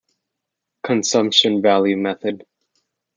Consumption value method.